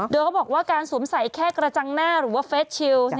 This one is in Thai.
โดยเขาบอกว่าการสวมใส่แค่กระจังหน้าหรือว่าเฟสชิล